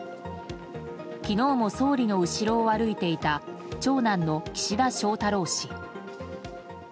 昨日も総理の後ろを歩いていた長男の岸田翔太郎氏。